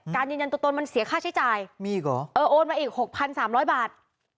การยืนยันตัวตนมันเสียค่าใช้จ่ายมีอีกหรอเออโอนมาอีกหกพันสามร้อยบาท